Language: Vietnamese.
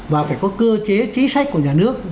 và phải có cơ chế chính sách của nhà nước